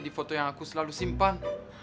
di foto yang aku selalu simpan